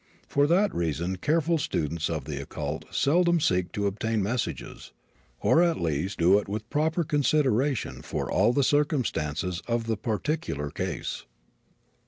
For that reason careful students of the occult seldom seek to obtain messages, or at least do it with proper consideration for all the circumstances of the particular case.